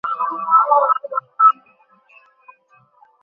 হে মহারাজ, আপনার জন্ম দ্বারা পৃথিবী ধন্য হইয়াছে।